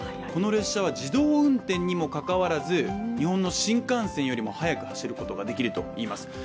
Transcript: この列車は自動運転にもかかわらず日本の新幹線よりも速く走ることができるといいます。